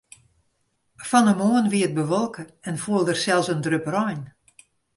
Fan 'e moarn wie it bewolke en foel der sels in drip rein.